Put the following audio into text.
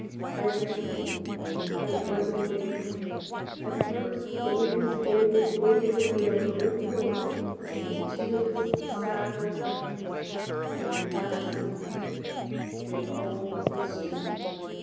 I listened; but it was in vain. At first, the wind's old, wayward will Drew forth the tearless, sad refrain: That ceased, and all was still.